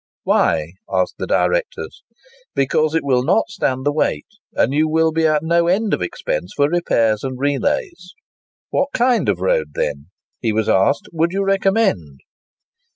"Why?" asked the directors. "Because they will not stand the weight, and you will be at no end of expense for repairs and relays." "What kind of road, then," he was asked, "would you recommend?"